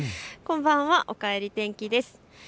こんばんは、おかえり天気です。